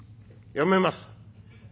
「やめます。